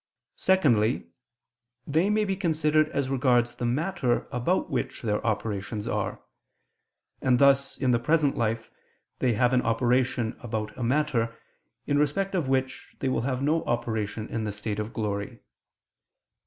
Secondly, they may be considered as regards the matter about which their operations are: and thus, in the present life they have an operation about a matter, in respect of which they will have no operation in the state of glory.